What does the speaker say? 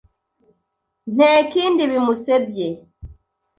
nte kindi bimusebye